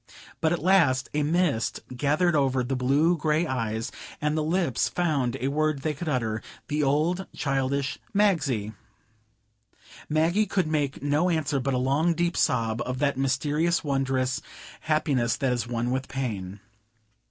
But at last a mist gathered over the blue gray eyes, and the lips found a word they could utter,—the old childish "Magsie!" Maggie could make no answer but a long, deep sob of that mysterious, wondrous happiness that is one with pain.